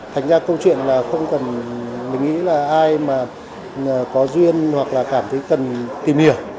thành ra câu chuyện là không cần mình nghĩ là ai mà có duyên hoặc là cảm thấy cần tìm hiểu